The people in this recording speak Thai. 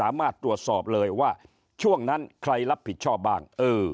สามารถตรวจสอบเลยว่าช่วงนั้นใครรับผิดชอบบ้าง